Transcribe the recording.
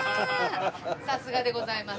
さすがでございます。